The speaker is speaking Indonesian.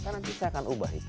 karena nanti saya akan ubah itu